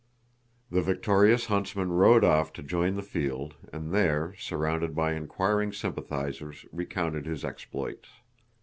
The victorious huntsman rode off to join the field, and there, surrounded by inquiring sympathizers, recounted his exploits.